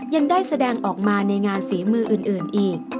ยังได้แสดงออกมาในงานฝีมืออื่นอีก